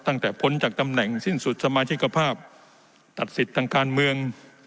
ตั้งแต่พ้นจากตำแหน่งสิ้นสุดสมาชิกภาพตัดสิทธิ์ทางการเมือง